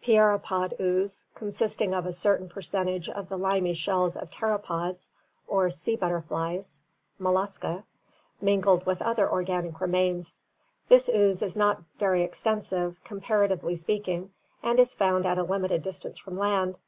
Pieropod ooze, consisting of a certain percentage of the limy shells of pteropods or sea butterflies (Mollusca) mingled with other organic remains. This ooze is not very extensive, comparatively speaking, and is found at a limited distance from land.